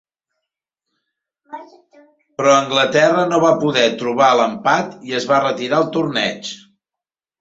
Però Anglaterra no va poder trobar l'empat i es va retirar el torneig.